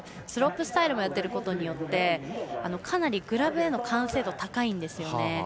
スロープスタイルもやってることによってかなりグラブへの完成度が高いんですよね。